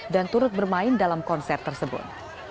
dan turut bermain dalam konser tersebut